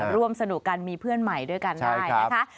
ร่วมสนุกกันมีเพื่อนใหม่ด้วยกันได้นะคะ